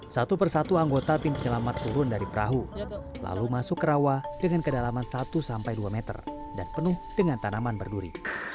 satu persatu anggota tim penyelamat turun dari perahu lalu masuk ke rawa dengan kedalaman satu sampai dua meter dan penuh dengan tanaman berduri